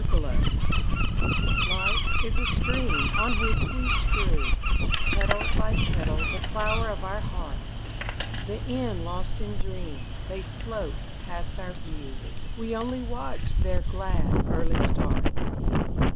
Petals Life is a stream On which we strew Petal by petal the flower of our heart; The end lost in dream, They float past our view, We only watch their glad, early start.